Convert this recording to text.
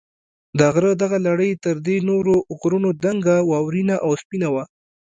د غره دغه لړۍ تر دې نورو غرونو دنګه، واورینه او سپینه وه.